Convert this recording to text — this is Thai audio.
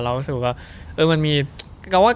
เรารู้สึกว่า